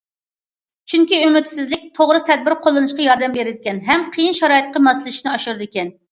چۈنكى، ئۈمىدسىزلىك توغرا تەدبىر قوللىنىشقا ياردەم بېرىدىكەن ھەم قىيىن شارائىتقا ماسلىشىشنى ئاشۇرىدىكەن.